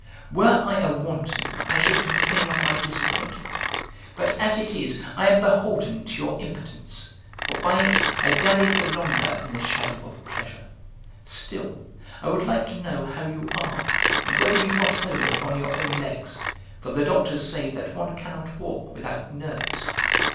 Were I a wanton, I should complain of my disappointment, but as it is I am beholden to your impotence, for by it I dallied the longer in the shadow of pleasure. Still, I would like to know how you are and whether you got home upon your own legs, for the doctors say that one cannot walk without nerves!